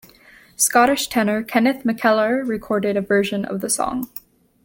Scottish tenor Kenneth McKellar recorded a version of the song.